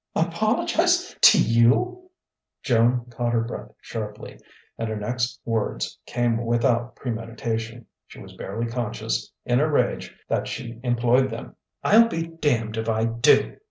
"Apologize to you!" Joan caught her breath sharply, and her next words came without premeditation; she was barely conscious, in her rage, that she employed them: "I'll be damned if I do!"